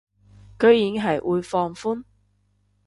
居然係會放寬